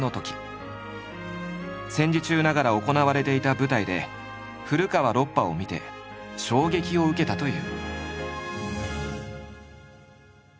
戦時中ながら行われていた舞台で古川ロッパを見て衝撃を受けたという。